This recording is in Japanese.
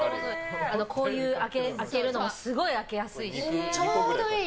こういう開けるのもすごい開けやすいし。